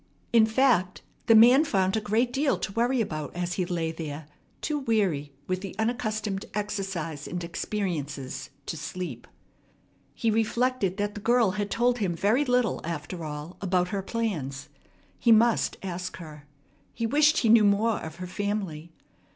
In fact, the man found a great deal to worry about as he lay there, too weary with the unaccustomed exercise and experiences to sleep. He reflected that the girl had told him very little, after all, about her plans. He must ask her. He wished he knew more of her family.